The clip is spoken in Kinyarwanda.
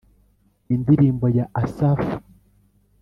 Indirimbo ya asafu